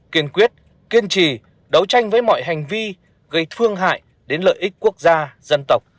kiên quyết kiên trì đấu tranh với mọi hành vi gây thương hại đến lợi ích quốc gia dân tộc